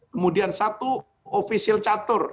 kemudian satu ofisial catur